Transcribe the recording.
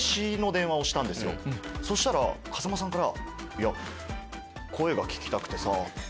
そしたら風間さんから。